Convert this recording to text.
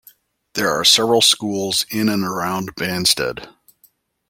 There are several schools in and around Banstead.